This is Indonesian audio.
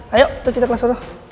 ayo kita ke kelas dulu